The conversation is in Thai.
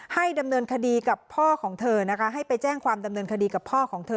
ดำเนินคดีกับพ่อของเธอนะคะให้ไปแจ้งความดำเนินคดีกับพ่อของเธอ